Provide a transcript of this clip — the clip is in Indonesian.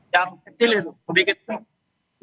yang kecil itu sedikit